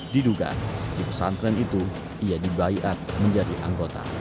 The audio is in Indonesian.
diduga di pesantren itu ia dibayat menjadi anggota